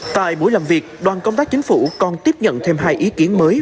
tại buổi làm việc đoàn công tác chính phủ còn tiếp nhận thêm hai ý kiến mới